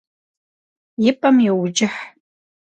И пӏэм йоуджыхь.